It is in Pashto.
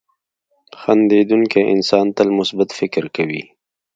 • خندېدونکی انسان تل مثبت فکر کوي.